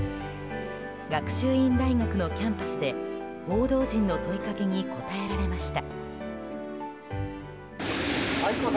学習院大学のキャンパスで報道陣の問いかけに答えられました。